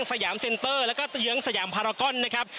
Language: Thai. สยามเซ็นเตอร์แล้วก็เตื้องสยามพารากอนนะครับ